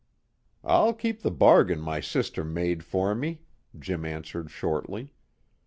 "I'll keep the bargain my sister made for me," Jim answered shortly.